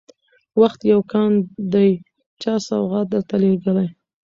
وخت يو كان دى چا سوغات درته لېږلى